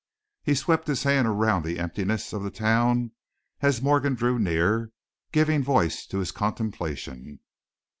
He swept his hand around the emptiness of the town as Morgan drew near, giving voice to his contemplation.